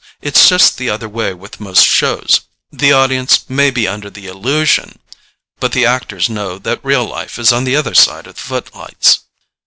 It's just the other way with most shows—the audience may be under the illusion, but the actors know that real life is on the other side of the footlights.